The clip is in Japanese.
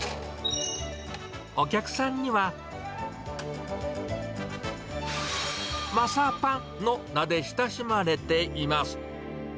お客さんには、政パンの名で親しまれています。